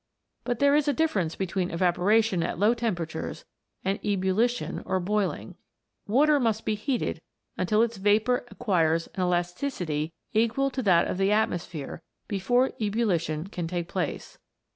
But there is a difference between eva poration at low temperatures and ebullition or boiling. Water must be heated until its vapour acquires an elasticity equal to that of the atmo sphere before ebullition can take place.